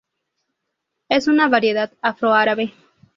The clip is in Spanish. Es una variedad afro-árabe.